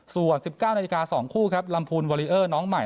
ส่วนสิบเก้านาฬิกาสองคู่ครับลำภูลเวรีเออร์น้องใหม่